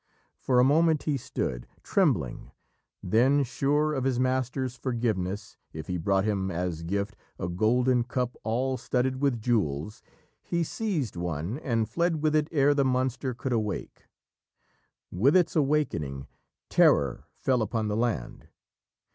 For a moment he stood, trembling, then, sure of his master's forgiveness if he brought him as gift a golden cup all studded with jewels, he seized one and fled with it ere the monster could awake. With its awakening, terror fell upon the land.